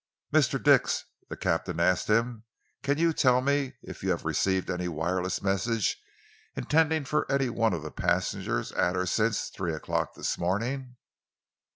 "Mr. Dix," the captain asked him, "can you tell me if you have received any wireless message intended for any one of the passengers at or since three o'clock this morning?"